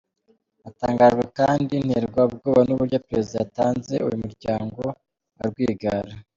Natangajwe kandi nterwa ubwoba n’uburyo Perezida yatanze uyu muryango wa Rwigara.